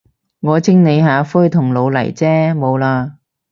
我清理下灰同老泥啫，冇喇。